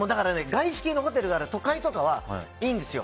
外資系のホテルがある都会とかはいいんです。